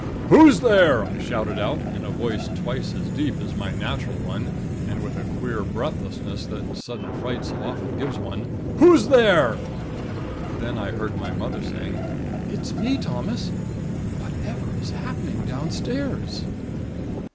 "'Who's there?' I shouted out, in a voice twice as deep as my natural one, and with a queer breathlessness, that sudden fright so often gives one. 'Who's there?' "Then I heard my mother saying: "'It's me, Thomas. Whatever is happening downstairs?'